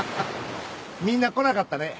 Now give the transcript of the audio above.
みんな来なかったね。